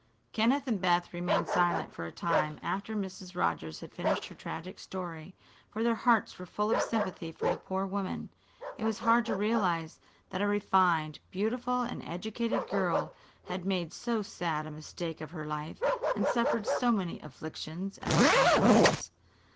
Kenneth and Beth remained silent for a time after Mrs. Rogers had finished her tragic story, for their hearts were full of sympathy for the poor woman. It was hard to realize that a refined, beautiful and educated girl had made so sad a mistake of her life and suffered so many afflictions as a consequence.